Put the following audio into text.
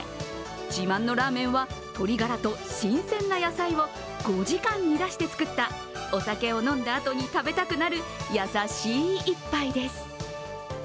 自慢のラーメンは鶏ガラと新鮮な野菜を５時間煮だして作ったお酒を飲んだあとに食べたくなる優しい一杯です。